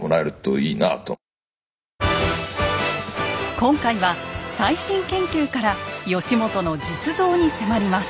今回は最新研究から義元の実像に迫ります。